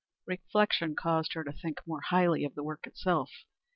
Reflection caused her to think more highly of the work itself.